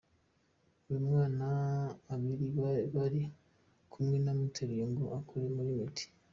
Uyu mwana abari bari kumwe nawe bamuteruye ngo akore kuri Meddy